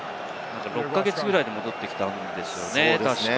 ６か月ぐらいで戻ってきたんですよね、確か。